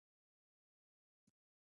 یوازې د پښتو ژبې وییونه دلته وليکئ